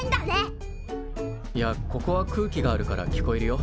いやここは空気があるから聞こえるよ。